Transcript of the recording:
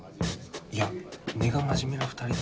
いや根が真面目な２人だ